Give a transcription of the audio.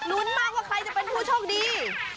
รุ้นมากว่าใครจะเป็นผู้โชคดี